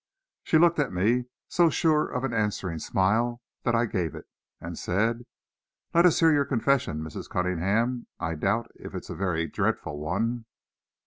She looked at me, so sure of an answering smile, that I gave it, and said, "Let us hear your confession, Mrs. Cunningham; I doubt if it's a very dreadful one."